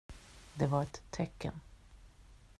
Det var ett tecken.